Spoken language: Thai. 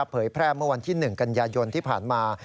เผยแพร่เมื่อวันที่๑กันยายนที่ผ่านมา